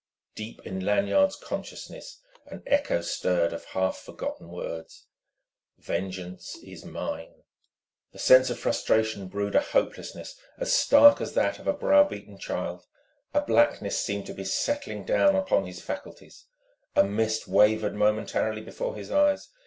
Deep in Lanyard's consciousness an echo stirred of half forgotten words: "Vengeance is mine...." The sense of frustration brewed a hopelessness as stark as that of a brow beaten child. A blackness seemed to be settling down upon his faculties. A mist wavered momentarily before his eyes.